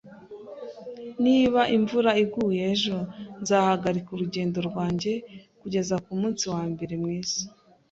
[S] Niba imvura iguye ejo, nzahagarika urugendo rwanjye kugeza kumunsi wambere mwiza.